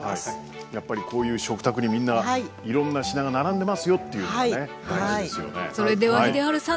やっぱりこういう食卓にみんないろんな品が並んでますよっていうことがね